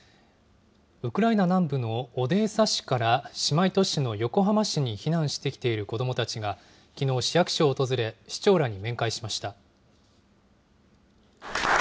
ウクライナ南部のオデーサ市から、姉妹都市の横浜市に避難してきている子どもたちが、きのう、市役所を訪れ、市長らに面会しました。